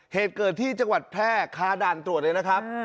เหตุเกิดที่จังหวัดแพร่คาด่านตรวจเลยนะครับ